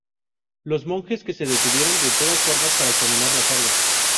Los monjes que se detuvieron de todas formas para examinar la carga.